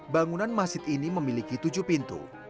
bangunan masjid ini memiliki tujuh pintu